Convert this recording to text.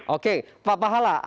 oke pak pahala